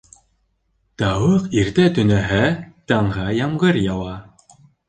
Тауыҡ иртә төнәһә, таңға ямғыр яуа.